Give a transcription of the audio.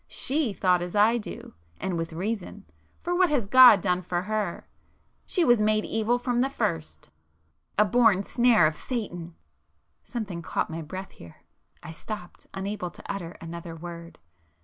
She thought as I do,—and with reason,—for what has God done for her? She was made evil from the first,—a born snare of Satan...." Something caught my breath here,—I stopped, unable to utter another word.